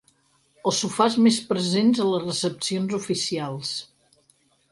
Els sofàs més presents a les recepcions oficials.